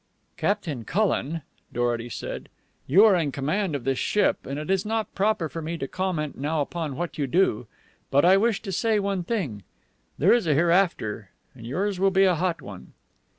"Captain Cullen," Dorety said, "you are in command of this ship, and it is not proper for me to comment now upon what you do. But I wish to say one thing. There is a hereafter, and yours will be a hot one."